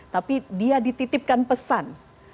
tapi dia dititipkan pesan